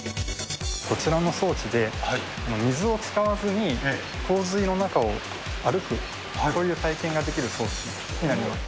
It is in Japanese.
こちらの装置で、水を使わずに洪水の中を歩く、そういう体験ができる装置になります。